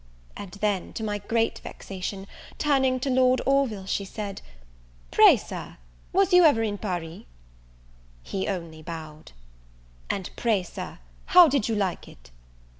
And then, to my great vexation, turning to Lord Orville, she said, "Pray, Sir, was you ever in Paris?" He only bowed. "And pray, Sir, how did you like it?"